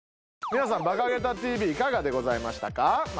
皆さん『バカ桁ＴＶ』いかがでございましたか？